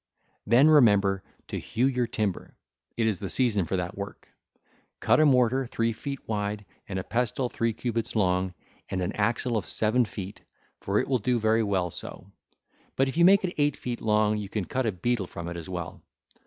Then remember to hew your timber: it is the season for that work. Cut a mortar 1313 three feet wide and a pestle three cubits long, and an axle of seven feet, for it will do very well so; but if you make it eight feet long, you can cut a beetle 1314 from it as well.